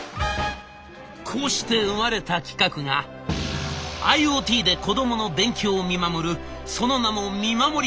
こうして生まれた企画がＩｏＴで子どもの勉強を見守るその名も見守りペン。